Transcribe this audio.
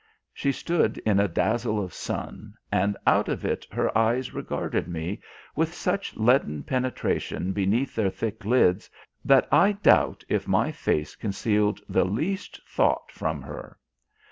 She stood in a dazzle of sun, and out of it her eyes regarded me with such leaden penetration beneath their thick lids that I doubt if my face concealed the least thought from her.